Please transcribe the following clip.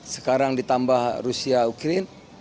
sekarang ditambah rusia ukrin